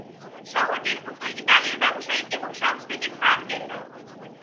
শহরটি উত্তর ইতালির ব্যবসায়িক এবং সাংস্কৃতিক প্রাণকেন্দ্র।